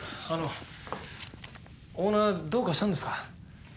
あのオーナーどうかしたんですか？